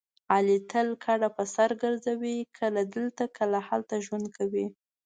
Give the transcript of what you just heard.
علي تل کډه په سر ګرځوي کله دلته کله هلته ژوند کوي.